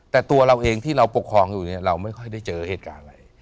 แต่ตัวเราเองที่เราปกครองอยู่เนี่ยเราไม่ค่อยได้เจอเหตุการณ์อะไร